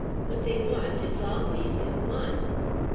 What they want is all these in one.'